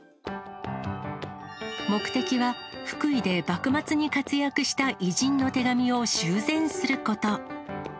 目的は、福井で幕末に活躍した偉人の手紙を修繕すること。